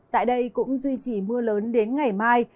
tại đây cũng duy trì mưa lớn đến ngày mai